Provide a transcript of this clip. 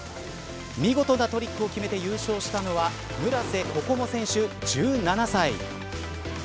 見事なトリックを決めて優勝したのは村瀬心椛選手、１７歳。